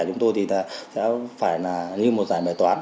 chúng tôi thì sẽ phải là như một giải bài toán